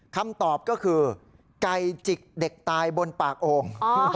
คำตอบก็คือไก่จิกเด็กตายบนปากโอ่ง